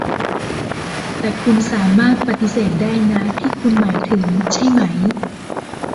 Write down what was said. แต่คุณสามารถปฏิเสธได้นะ ที่คุณหมายถึง ใช่ไหม